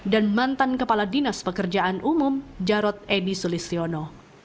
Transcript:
dan mantan kepala dinas pekerjaan umum jarod edy sulistiono